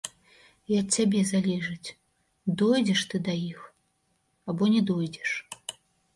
І ад цябе залежыць, дойдзеш ты да іх або не дойдзеш.